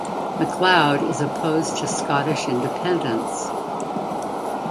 MacLeod is opposed to Scottish independence.